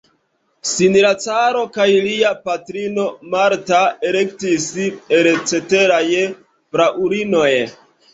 Ŝin la caro kaj lia patrino Marta elektis el ceteraj fraŭlinoj.